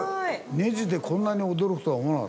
ネジでこんなに驚くとは思わなかった。